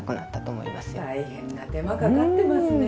大変な手間かかってますね！